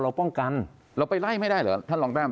ป้องกันเราไปไล่ไม่ได้เหรอท่านรองแต้ม